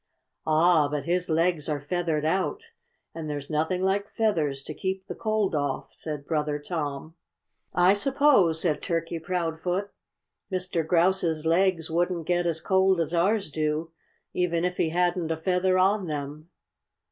"Ah! But his legs are feathered out. And there's nothing like feathers to keep the cold off," said Brother Tom. "I suppose," said Turkey Proudfoot, "Mr. Grouse's legs wouldn't get as cold as ours do, even if he hadn't a feather on them."